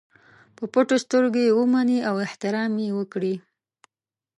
په پټو سترګو یې ومني او احترام یې وکړي.